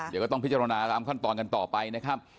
เดี๋ยวก็ต้องพิจารณาตามขั้นตอนกันต่อไปนะครับ